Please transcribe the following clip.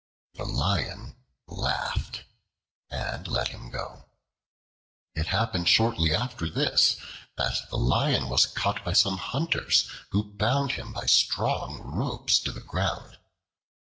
The Lion laughed and let him go. It happened shortly after this that the Lion was caught by some hunters, who bound him by strong ropes to the ground.